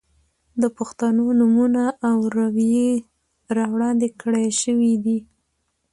د پښتنو نومونه او روئيې را وړاندې کړے شوې دي.